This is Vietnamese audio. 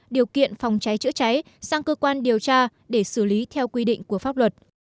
điều kiện phòng cháy chữa cháy sang cơ quan điều tra để xử lý theo quy định của pháp luật